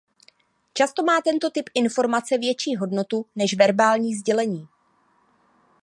Často má tento typ informace větší hodnotu než verbální sdělení.